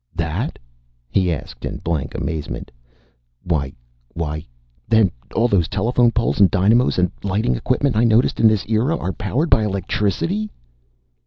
"That?" he asked in blank amazement. "Why why then all those telephone poles and dynamos and lighting equipment I noticed in this era are powered by electricity!"